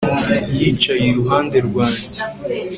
yicaye iruhande rwanjye